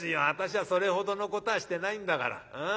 私はそれほどのことはしてないんだから。